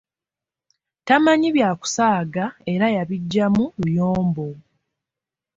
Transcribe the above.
Tamanyi byakusaaga era yabiggyamu luyombo.